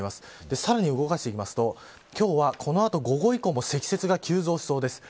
さらに動かしていきますと今日はこの後午後以降も積雪が急増しそうです。